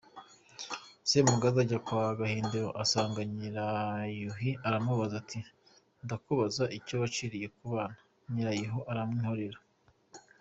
Semugaza ajya kwa Gahindiro asanga Nyirayuhi aramubaza, ati: "Ndakubaza icyo waciriye Kabano" Nyirayuhi aramwihorera.